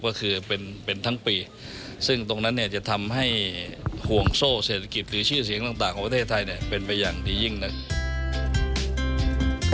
ก็คือเป็นทั้งปีซึ่งตรงนั้นเนี่ยจะทำให้ห่วงโซ่เศรษฐกิจหรือชื่อเสียงต่างของประเทศไทยเนี่ยเป็นไปอย่างดียิ่งนะครับ